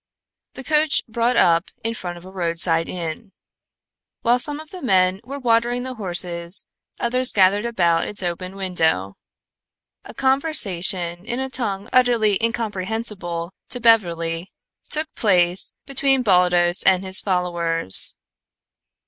The coach brought up in front of a roadside inn. While some of the men were watering the horses others gathered about its open window. A conversation in a tongue utterly incomprehensible to Beverly took place between Baldos and his followers.